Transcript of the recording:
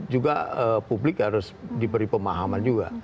juga publik harus diberi pemahaman juga